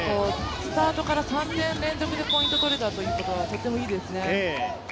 スタートから３点連続でポイント取れたということは、とてもいいですね。